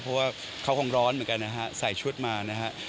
เพราะว่าเขาคงร้อนเหมือนกันนะฮะใส่ชุดมานะฮะ